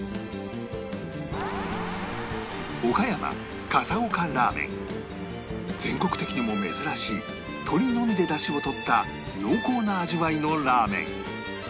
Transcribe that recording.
岡山全国的にも珍しい鶏のみで出汁を取った濃厚な味わいのラーメン